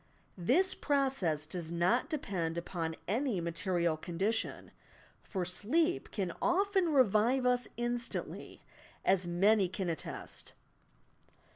This process does not depend upon any material condition, — for sleep can often revive us in stantly, as many can attest.